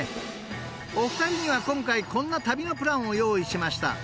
［お二人には今回こんな旅のプランを用意しました］